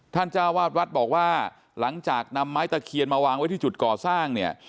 จ้าวาดวัดบอกว่าหลังจากนำไม้ตะเคียนมาวางไว้ที่จุดก่อสร้างเนี่ย